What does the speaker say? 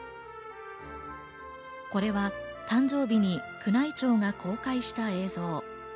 これは誕生日に宮内庁が公開した映像。